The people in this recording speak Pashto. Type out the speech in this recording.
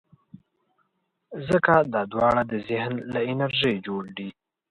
ځکه دا دواړه د ذهن له انرژۍ جوړ دي.